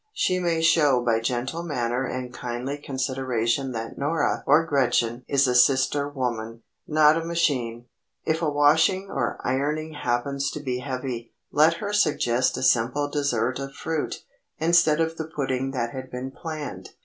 She may show by gentle manner and kindly consideration that Norah or Gretchen is a sister woman, not a machine. If a washing or ironing happens to be heavy, let her suggest a simple dessert of fruit, instead of the pudding that had been planned.